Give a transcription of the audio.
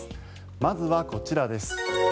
まずはこちらです。